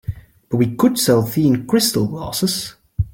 But we could sell tea in crystal glasses.